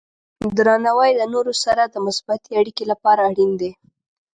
درناوی د نورو سره د مثبتې اړیکې لپاره اړین دی.